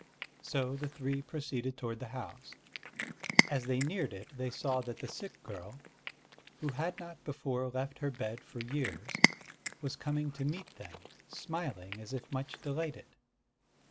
So the three proceeded toward the house. As they neared it, they saw that the sick girl, who had not before left her bed for years, was coming to meet them, smiling as if much delighted.